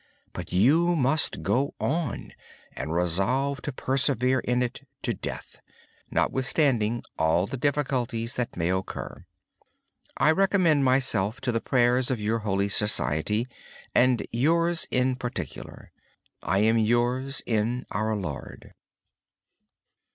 But you must go on and resolve to persevere in it until death, notwithstanding all the difficulties that may occur. I recommend myself to the prayers of your holy society, and yours in particular. I am yours in our Lord.